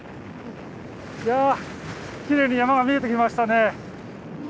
いやきれいに山が見えてきましたね。